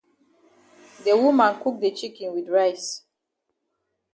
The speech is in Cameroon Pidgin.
De woman cook de chicken wit rice.